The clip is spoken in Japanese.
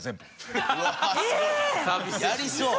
やりそう！